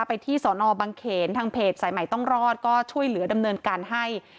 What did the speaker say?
ไปที่สอนอบังเขนทางเพจสายใหม่ต้องรอดก็ช่วยเหลือดำเนินการให้